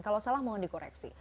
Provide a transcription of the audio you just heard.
kalau salah mohon dikoreksi